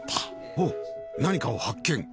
おっ何かを発見。